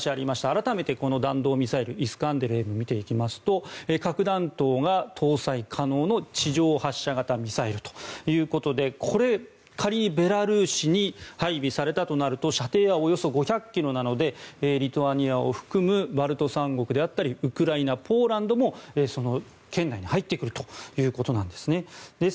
改めてこの弾道ミサイルイスカンデルＭを見ていきますと核弾頭が搭載可能の地上発射型ミサイルということでこれ、仮にベラルーシに配備されたとなると射程はおよそ５００ｋｍなのでリトアニアを含むバルト三国であったりウクライナ、ポーランドもその圏内に入ってくるということなんです。